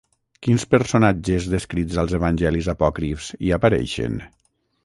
Quins personatges descrits als Evangelis apòcrifs hi apareixen?